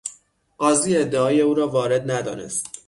قاضی ادعای او را وارد ندانست.